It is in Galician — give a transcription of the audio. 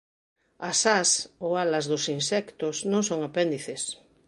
As ás ou alas dos insectos non son apéndices.